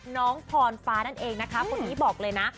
น้องพรฟ้านั่นเองนะคะคนนี้บอกเลยนะ